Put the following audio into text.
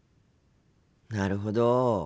なるほど。